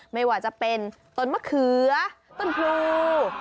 ไม่ว่าจะเป็นต้นมะเขือต้นพลู